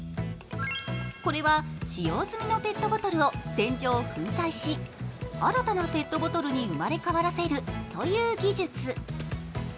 これは使用済みのペットボトルを洗浄・粉砕し新たなペットボトルに生まれ変わらせるという技術。